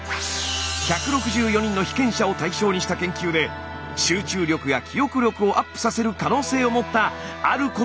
１６４人の被験者を対象にした研究で集中力や記憶力をアップさせる可能性を持ったあることばが見つかりました。